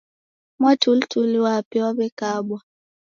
Mwatulituli w'ape w'aw'ekabwa